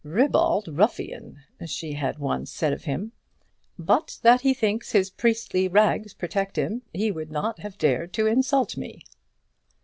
"Ribald ruffian," she had once said of him; "but that he thinks his priestly rags protect him, he would not have dared to insult me."